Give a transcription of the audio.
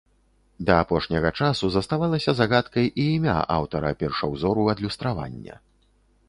Да апошняга часу заставалася загадкай і імя аўтара першаўзору адлюстравання.